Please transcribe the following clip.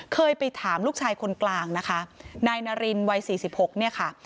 เคยไปถามลูกชายคนกลางนะคะนายนารินวัยสี่สิบหกเนี่ยค่ะ